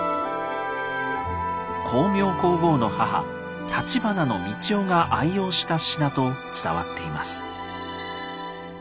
光明皇后の母橘三千代が愛用した品と伝わっています。